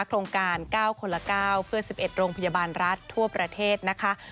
โครงการ๙คนละ๙เพื่อ๑๑โรงพยาบาลรัฐทั่วประเทศนะคะ